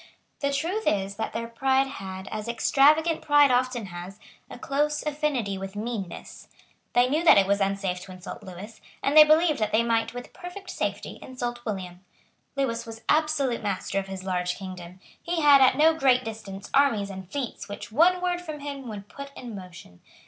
The truth is that their pride had, as extravagant pride often has, a close affinity with meanness. They knew that it was unsafe to insult Lewis; and they believed that they might with perfect safety insult William. Lewis was absolute master of his large kingdom. He had at no great distance armies and fleets which one word from him would put in motion.